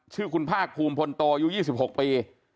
ชื่อคุณภาคภูมิพลโตอายุ๒๖ปี